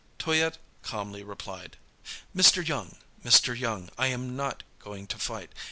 Toyatte calmly replied:— "Mr. Young, Mr. Young, I am not going to fight.